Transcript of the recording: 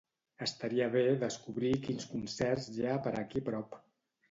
Estaria bé descobrir quins concerts hi ha per aquí a prop.